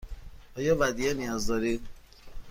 آیا ودیعه نیاز دارید؟